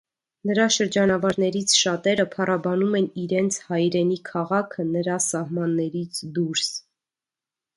Նրա շրջանավարտներից շատերը փառաբանում են իրենց հայրենի քաղաքը նրա սահմաններից դուրս։